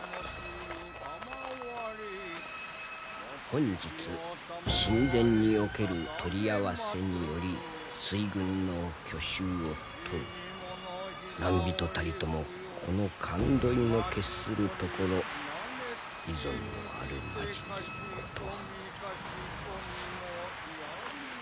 「本日神前に於ける鶏合わせにより水軍の去就を問う何人たりともこの神占の決するところ異存のあるまじきこと」。